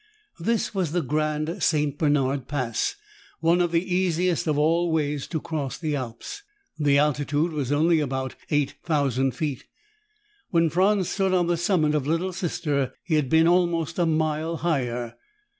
This was the Grand St. Bernard Pass, one of the easiest of all ways to cross the Alps. The altitude was only about eight thousand feet. When Franz stood on the summit of Little Sister he had been almost a mile higher.